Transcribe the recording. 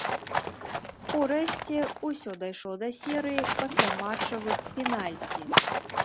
Урэшце ўсё дайшло да серыі пасляматчавых пенальці.